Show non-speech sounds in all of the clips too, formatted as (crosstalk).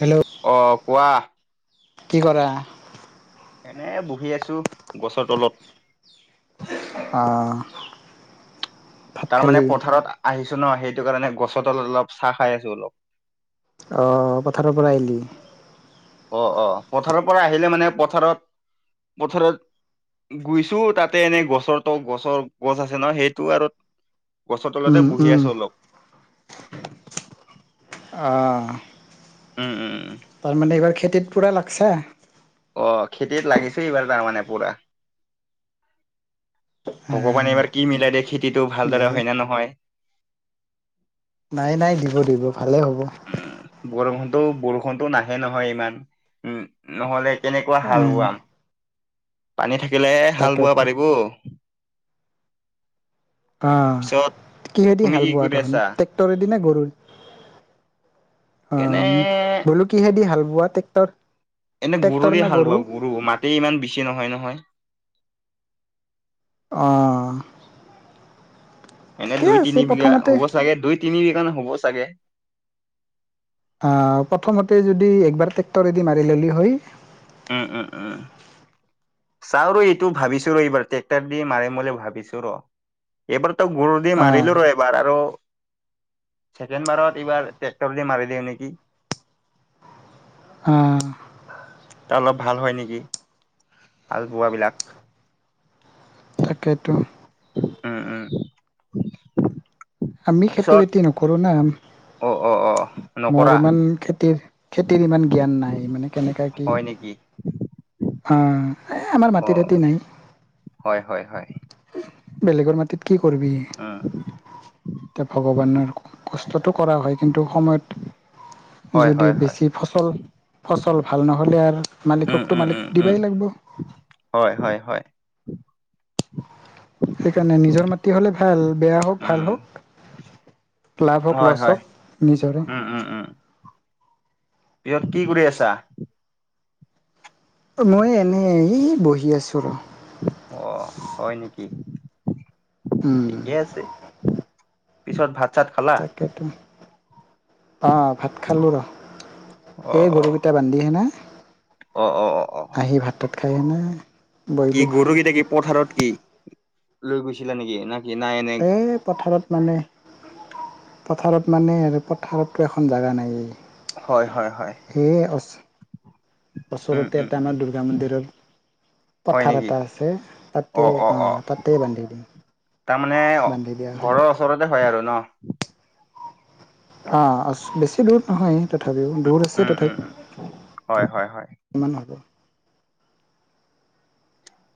Hello অ, কোৱা কি কৰা? এনে বহি আছো গছৰ তলত আহ, তাৰমানে পথাৰত আহিছো ন সেইটো কাৰণে গছৰ তলত অলপ চাহ খাই আছো অলপ অহ, পথাৰৰ পৰা আহিলি অ, অ, পথাৰৰ পৰা আহিলে মানে পথাৰত পথাৰত গুইছো তাতে এনেই গছৰ তো গছৰ গছ আছে ন সেইটো আৰু গছৰ তলতে উম বহি উম আছো অলপ। আহঁ। উম, উম। উম। তেট পোৰা লাগছে অ, খেতিত লাগিছে এইবাৰ তাৰমানে পোৰা। ভগৱানে এইবাৰ কি মিলাই দিয়ে খেতিটো দে ভালদৰে হয় নে নহয়? নাই নাই দিব দিব ভালে হ'ব। তো বৰষুণটো নাহে নহয় ইমান, উম নহ'লে কেনেকুৱা হাল উম বোৱাম। পানী থাকিলে হাল বোৱা তাকেতো পাৰিব। আহ, পিছত কিহেদি তুমি হাল কি বোৱা কৰি তখন আছা? ট্ৰেক্টৰে দি না গৰু? অ, এনে বোলো কিহেদি হাল বোৱা ট্ৰেক্টৰ এনে ট্ৰেক্টৰ গৰুৰে নে হাল বোৱাও গৰু মাটি ইমান বেছি নহয় নহয়। অহ। এনে দুই তিন বিঘা হ'ব চাগে, দুই তিন বিঘা হ'ব চাগে। অ প্ৰথমতে যদি একবাৰ ট্ৰেক্টৰেদি মাৰি ললি হয় উম, উম, উম। চাও ৰ এইটো ভাবিছো ৰ এইবাৰ ট্ৰেক্টাৰ দি মাৰিম বুলি ভাবিছো ৰ এইবাৰ ত গৰু দি অ' মাৰিলোঁ ৰ এবাৰ আৰু ছেকেণ্ডবাৰত এইবাৰ ট্ৰেক্টৰ দি মাৰি দিওঁ নেকি? হাঁ। তাত অলপ ভাল হয় নেকি? হাল বোৱাবিলাক। তাকেটো। উম, উম। আমি খেতি পিছত বাতি নকৰোঁ না অ অ অ নকৰা মোৰ ইমান খেতিৰ খেতিৰ ইমান জ্ঞান নাই মানে কেনেকা কি- হয় নেকি? আহ এহ আমাৰ অ মাটিত ৰাতি নাই হয় হয় হয় বেলেগৰ মাটিত কি কৰিবি! উম এতিয়া ভগৱানৰ কষ্টটো, কৰা হয় কিন্তু সময়ত হয় যদি হয় হয় বেছি ফচল ফচল ভাল নহলে আৰু উম মালিককতো উম মালিকক উম উম দিবাই লাগিব। হয়, হয়, হয়। সেইকাৰণে নিজৰ মাটি হলে ভাল বেয়া হওক ভাল উম। হওক। লাভ হওক হয় লছ হয়। হওক নিজৰে। পিয়ত কি কৰি আছা? অ', মই এনেই হেই বহি আছোঁ ৰ। কি? উম। পিছত ভাত চাত খালা? তাকেতো অ', ভাত খালোঁ ৰ অ এই গৰু কেইটা বান্ধি কেণে অ', অ', অ', অ'। খায় কেনে কি গৰু কেইট কি পথাৰত কি, লৈ গৈছিলা নেকি ন এই পথাৰত মানে পথাৰত মানে আৰু পথাৰতো এখন জেগা নাইয়ে। হয়, হয়। হয়। এ আচ উম ওচৰতে উম এটা উম। আমাৰ দুৰ্গা মন্দিৰও হয় পথাৰ নেকি? এটা আছে তাতে, অ', তাতে বান্ধি দিম। তাৰমানে বান্ধি দিয়া হয় ঘৰৰ ওচৰতে হয় আৰু ন? অ উচ্, বেছি দূৰত নহয়। তথাপিও দূৰ আছে উম উম উম। হয় হয় হয়। তথাবেও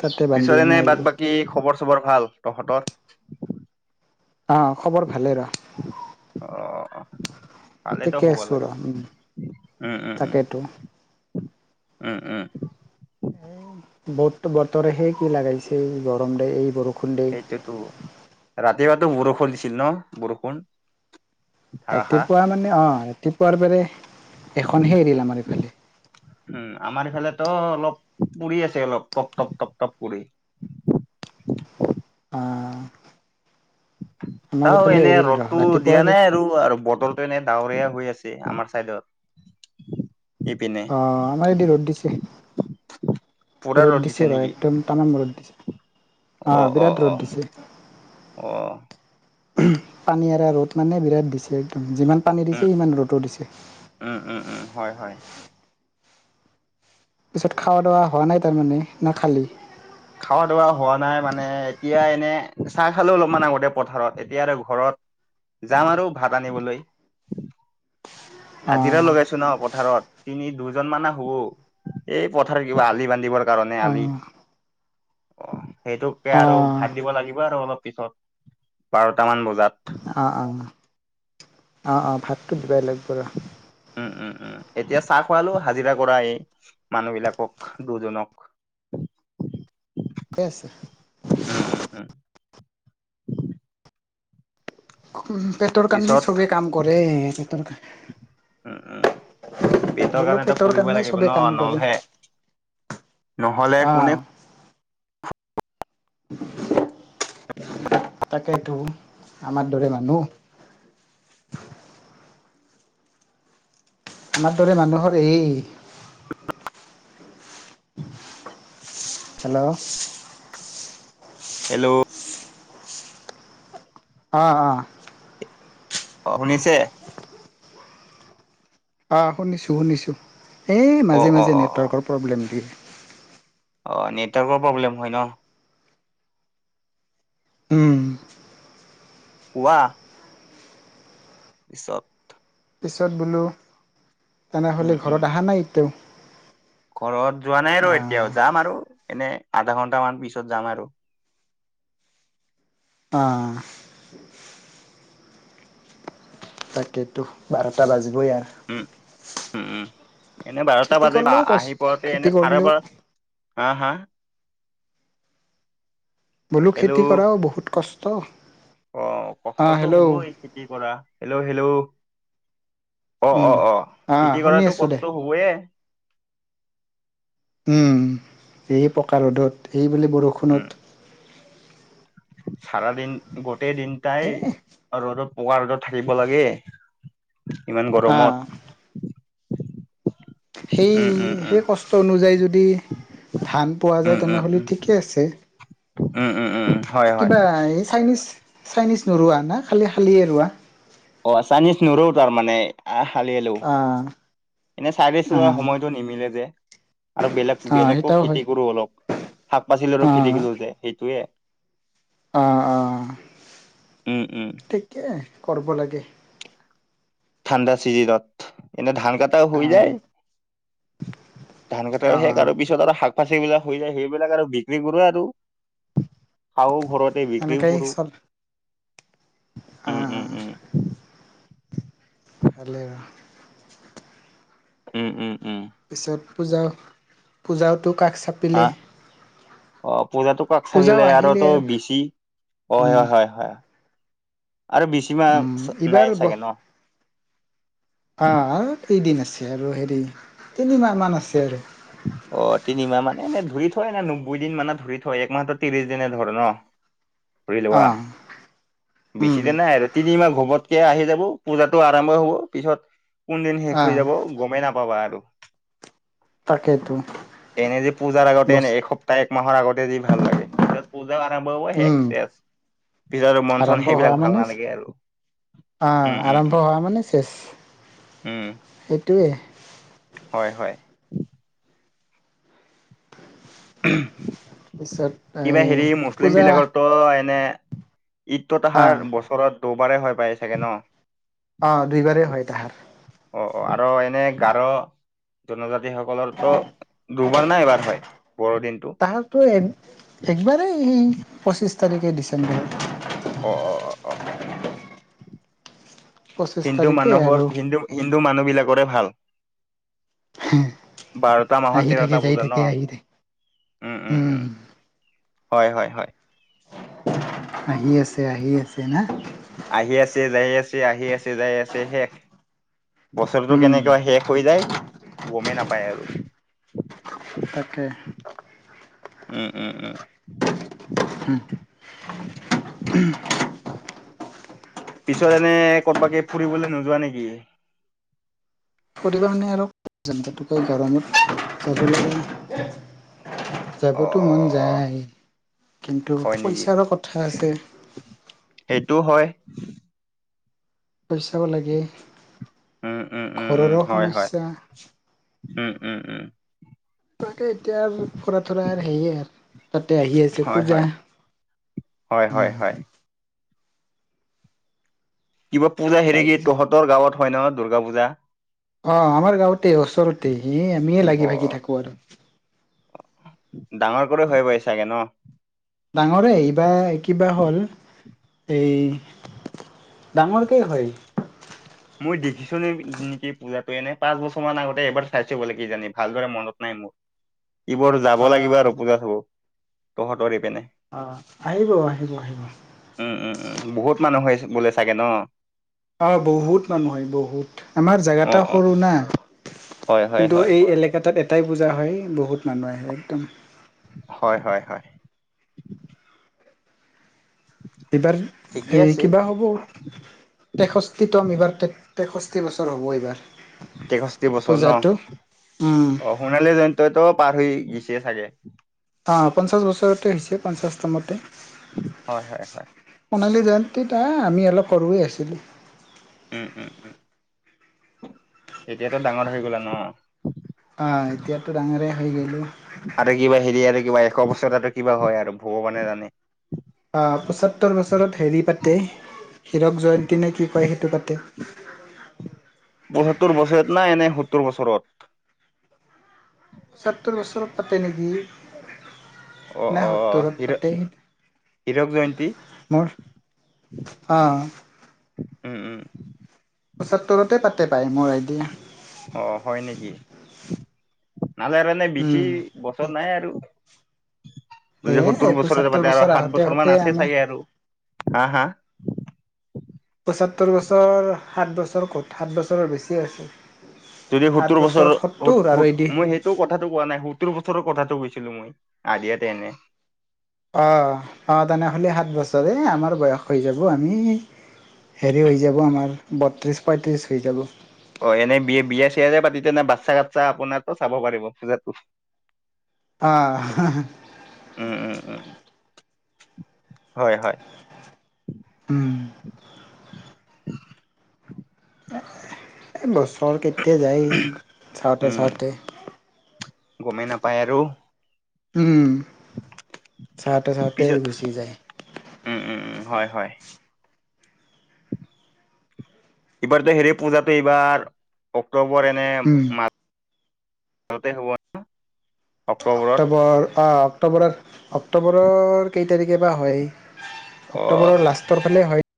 তাতে বান্ধি পিছত এনে বাদ আহিলো বাকী খবৰ চবৰ ভাল তহঁতৰ? অ', খবৰ ভালেই ৰ। কালেতো ঠিকে হ'ব আছো ৰ লাগে। উম উম, উম, উম। তাকেতো উম, উম। উম। ব বতৰে হে কি লগাগাইছে এই গৰম দিয়ে এই বৰক সেইটোতো ৰাতিপুৱাতো বৰষুণ দিছিল ন, বৰষুণ? ধাৰাসাৰ ৰাতিপুৱা মানে অ', ৰাতিপুৱাৰ এখনহে এৰিল আমাৰ ইফালে। ত অলপ পৰি আছে অলপ টপ টপ টপ টপ পৰি। অহ। তও এনে ৰ'দতটো ৰাতিপুৱা দিয়া নাই অ আৰু আৰু বতৰটো এনে ডাৱৰীয়া হৈ আছে আমাৰ চাইডত। ইপিনে আহ আমাৰ এই দি ৰ'দ দিছে। ৰ'দ দিছে ৰ', একদম তামাম ৰ'দ দিছে। অ অঁ, অ বিৰাট অ ৰ'দ দিছে। অ পানী এৰা ৰ'দ মানে বিৰাট দিছে একদম। যিমান পানী দিছে উম সিমান ৰ'দো দিছে। উম উম উম হয় হয় পিছত খোৱা দোৱা হোৱা নাই তাৰমানে? না খালি খোৱা দোৱা হোৱা নাই মানে এতিয়া এনে চাহ খালে অলপমান আগতে পথাৰত এতিয়া আৰু ঘৰত যাম আৰু ভাত আনিবলৈ। অ হাজিৰা লগাইছো ন পথাৰত। তিনি দুজনমানানে শু, এই পথাৰ কিবা আলি বান্ধিবৰ কাৰণে অ আলি। (unintelligible) সেইটোকে অ আৰু ভাত দিব লাগিব আৰু অলপ পিছত, বাৰটামান বজাত। অঁ, অঁ। অঁ, অঁ, ভাতটো দিবাই লাগিব ৰ। উম উম উম, এতিয়া চাহ খোৱালো হাজিৰা কৰা এই মানুহ বিলাকক, দুজনক। (inaudible) উম উম উম (inaudible) উ পেটৰ কানি পিছত চবেই কাম কৰে পেটৰ ক বেটৰ কাৰণ তো পুৰিবই লাগিব কৰে নলহে নহ'লে অ কোনে (inaudible) তাকেইতো আমাৰ দৰে মানুহ। আমাৰ দৰে মানুহৰ এই। হেল্ল'? হেল্ল'? অঁ, অঁ। অঁ, শুনিছে? আহ শুনিছো শুনিছো, এই অ মাজে অ মাজে অ অ নেটৱৰ্কৰ প্ৰব্লেম দিয়ে। অ' নেটৱৰ্কৰ প্ৰব্লেম হয় ন? উম ৱাহ। বিচত। পিছত বোলো, উম তেনেহলে উম ঘৰত অহা নাই এতিও। ঘৰত যোৱা নাই ৰ এতিয়াও যাম আৰু, এনে আধা ঘন্টামান পিছত যাম আৰু। অ'। তাকেইতো বাৰটা বাজিবই উম আৰু। উম উম এনে বাৰটা খেতি বাজি কৰিলেও আহি কষ্ট পোৱাতে খেতি এনে চাৰে কৰিলেও বাৰ হা হা বোলো খেতি হেল্ল' কৰাও বহুত কষ্ট। অ' অঁ কষ্টতটো হেল্ল' হবই খেতি কৰা, হেল্ল' হেল্ল' অ' উম অ'অ' অঁ খেতি শুনি কৰাটো আছোঁ দে কষ্ট হবয়ে। এই পকা ৰ'দত এইবুলি বৰষুণত। চাৰ দিন গোটেই এ দিনটাই ৰ'দত পকা ৰ'দত থাকিব লাগে। ইমান অঁ গৰমত। সেই উম উম উম সেই কষ্ট অনুযায়ী যদি ধান পোৱা উম যায় উম তেনেহ'লে উম ঠিকেই আছে। উম উম উম হয় হয় কিবা এই চাইনিজ, চাইনিজ নৰুোৱাা না খালি খালিয়ে ৰোৱা। অ' চাইনিজ নুৰো তাৰমানে আহ হালি আলো অ'। এনে চাৰশ ৰকা সময়তো নিমিলে যে, আৰু বেলেগ আহ বেলেগো সেইটাও হয় খেতি কৰো অলপ। শাক পাচলি আৰু খেতি কলো যে সেইটোয়ে। অ' অ' উম উম ঠিকেই কৰিব লাগে। ঠাণ্ডা চিজনত, এনে ধান কটা হৈ আহ যায় ধান কটা শেষ আহ আৰু পিছত আৰু শ পাচে ই বিলাক হৈ যায় সেইবিলাক আৰু বিক্ৰী কৰো আৰু। খাওঁ ঘৰতে বিক্ৰীও এনেকেই কৰোঁ। চল আহ। (inaudible) উম উম উম। পিছত পূজা- পূজাওতো কাষ হা চাপিলেই। অ' পূজাটো কাষ চাপিলে আৰু তো বিচি, অ' হয় উম হয় হয়। আৰু উম বিছিমাহ নাই চাগে ন? আ হা কেইদিন আছে আৰু হেৰি তিনি মাহ মান আছে আৰু। অ' তিনিমাহ মানে এনে ধৰি থয় নে নব্বৈ দিন মানে ধৰি থয় একমাহতো ত্ৰিশ দিনে ধৰ ন। ধৰি লোৱা আহ উম বেছি দিন নাই আৰু তিনি মাহ ঘোবত আহি যাব পূজাতটো আৰম্ভ হব পিছত, কোন দিন শেষ আহ হৈ যাব গমেই নাপ কবা আৰু। তাকেইতো এনে যে পূজাৰ আগতে বছ এনে এসপ্তাহ এক মাহৰ আগতে যি ভাল লাগে পিছত পূ জা আৰম্ভ হৈ উম শেষ চেষ। পিছত মন চন আৰম্ভ হোৱা সেইবিলাক ভাল মানে নালাগে আৰু। উম অ', উম উম আৰম্ভ হোৱা মানে চেছ। উম এইটোৱে। হয়, হয়। (unintelligible) পিছত কিবা এই হেৰি মুছলিম পূজা বিলাকৰ তো এনে ঈদ ত তাহাৰ অ', বছৰত দবাৰে হৈ পায় চাগে ন। অ' দুইবাৰেই হয় তাহাৰ। অ' অ'আৰু এনে গাৰো জনজাতি। সকলো ত দুবাৰ না এবাৰ হয় বৰো দিনটো? তাহাৰতো এ একবাৰেই সেই পঁচিছ তাৰিখে ডিচেম্বৰৰ। অ' অ' অ' অ'। পঁচিছ হিন্দু তাৰিখে মানুহৰ আৰু হিন্দু মানুহবিলাকৰে ভাল। বাৰটা আহি মাহত থাকে তেৰটা যাই পুজা থাকে ন! আহি থাকে উম। হয়, হয়, হয়। আহি আছে আহি আছে না? আহি আছে, যাই আছে, আহি আছে, যাই আছে, শেষ। বছৰটো উম কেনেকুৱা শেষ হৈ যায়, গমেই নাপায় আৰু। তাকে। উম, উম, উম। হম। পিছত এনে কৰবাকে ফুৰিবলৈ নোযোৱা নেকি? ফুৰিব মানে আৰু (unintelligible) যাম (unintelligible) গৰমত (unintelligible) অ যাবতো অ মন অ অ যায়। কিন্তু হয় নেকি পইচাৰো কথা আছে। সেইটো হয়। পইচাও লাগে, উম উম উম উম ঘৰৰো হয় হয় সমস্যা। উম, উম, উম। তাকে এতিয়া ফুৰা থৰা হেৰি আৰু তাতে আহি আছে হয় পূজা। হয় হয় হয় উম। হয় কিবা পূজা হেৰি কি তাৰপিছত তহঁতৰ গাঁৱত হয় নহ, দুৰ্গা পূজা? অ', আমাৰ গাঁওতে ওচৰতে হে আমিয়ে অ অ লাগি-ভাগি থাকোঁ আৰু। ডাঙৰ কৰি হয় (unintelligible) চাগে ন! ডাঙৰে এই বা কিবা হ'ল, এই ডাঙৰ কেই হয়। মই দেখিছো নে নেকি পূজাটো এনে পাঁচ বছৰ মান আগতে এবাৰ চাইছো বলে কিজানি ভালদৰে মনত নাই। (unintelligible) এই বোৰ যাব লাগিব আহ আৰু পূজা চাব তহঁতৰে পিনে। অ আহিব আহিব আহিব উম, উম, উম, বহুত মানুহ হৈ বোলে চাগে ন? অ', বহুত মানুহ হয় বহুত। আমাৰ জোগাটা অ', সৰু অ', না! হয়, হয়, কিন্তু হয়, এই এলেকাতাত এটাই পূজা হয় বহুত মানুহ আহে একদম। হয়, হয়, হয়। এইবাৰ ঠিকে এই আছে কিবা হ'ব, তেষষ্ঠিতম এইবাৰ তে তেষষ্ঠি বছৰ হ'ব এইবাৰ। তেষষ্ঠি বছৰ ন! পূজাটো উম অ', সোণালী জয়ন্তইতো পাৰ হৈ গ (unintelligible) চাগে। অঁ, পঞ্চাছ বছৰতে হৈছে পঞ্চাছতমতে। হয় হয় হয়। সোণালী জয়ন্তীত আমি অলপ সৰুৱে আছিলোঁ। উম, উম, উম, এতিয়াতো ডাঙৰ হৈ গ'লা ন? অ এতিয়াতো ডাঙৰে হৈ গলো। ভবিষ্যতটো অৱস্থা টো কিবা হয় আৰু ভগৱানে জানে। পঁচত্তৰ বছৰত হেৰি পাতে হিৰক জয়ন্তী নে কি কয় সেইটো পাতে। পচত্তৰ বছৰত ন পসত্তৰ বছৰত সত্তৰ বছৰ পাতে নেকি? অ', নাই অ', (unintelligible) হীৰ পাতে। হীৰক জয়ন্তী? মোৰ অঁ। উম, উম। পঁচাত্তৰতে পাতে পায় মোৰ আইডিয়া। অঁ, হয় নেকি? (unintelligible) বেছি উম। বছৰ নাই আৰু। যদি সত্তৰ এ বছৰৰে পঁচত্তৰ পাতে আৰু সাত আহোতে বছৰ মান আহোতে আছে আমি চাগে আৰু। হা- হা। পচত্তৰ বছৰ সাত বছৰ ক'ত সাত বছৰৰ বেছি আছে। যদি সত্তৰ বছৰ আৰু এদি মই সেইটো কথাতটো কোৱা নাই সত্তৰ বছৰ কথাটো কৈছিলো মই আদিয়াতে এনে অ' অ' তেনেহ'লে সাত বছৰে আমাৰ বয়স হৈ যাব আমি হেৰি হৈ যাব আমাৰ বত্ৰিছ পঁয়ত্ৰিছ হৈ যাব। অ' এনেই বিয় বিয়া চিয়া পাতি তেনে বাচ্ছা বাচ্ছা আপোনাক চাব পাৰিব। পূজাতটো আহ। উম উম উম হয় হয়। উম (unintelligible) এই বছৰ কেইটা যায় চাওঁতে উম চাওঁতে। গমেই নাপায় আৰু উম। চাওঁতে চাওঁতে পিছত গুচি যায়। উম উম উম হয় হয় এইবাৰতো হেৰি পূজাতটো এইবাৰ অক্টোবৰ এনে উম মা ততে হ'ব। অক্টোবৰত অক্টোবৰ অ' অক্টোবৰৰ অক্টোবৰৰ কেই তাৰিখে বা হয়? অ অক্টোবৰৰ লাষ্টৰ ফালে হয়।